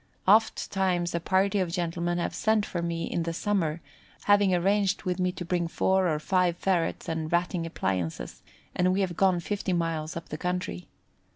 Oft times a party of gentlemen have sent for me in the summer, having arranged with me to bring four or five ferrets and Ratting appliances, and we have gone 50 miles up the country.